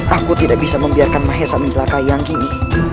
aku tidak bisa membiarkan mahesa menjelaka yang gini